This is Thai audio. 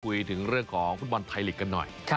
คุยถึงเรื่องของฟุตบอลไทยลีกกันหน่อย